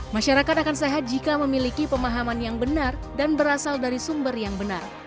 masyarakat akan sehat jika memiliki pemahaman yang benar dan berasal dari sumber yang benar